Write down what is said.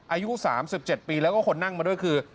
อายุ๓๗ปีแล้วก็คนนั่งมาด้วยคือ